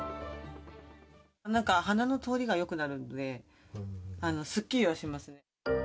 なんか、鼻の通りがよくなるので、すっきりはしますね。